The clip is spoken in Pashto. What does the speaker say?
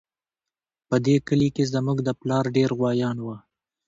په دې کلي کې زموږ د پلار ډېر غويان وو